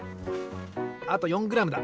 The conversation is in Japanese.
あと４グラムだ。